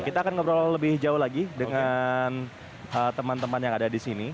kita akan ngobrol lebih jauh lagi dengan teman teman yang ada di sini